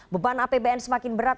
beban apbn semakin berat